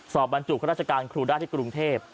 สอบบรรจุของราชการครูด้าที่กรุงเทพฯ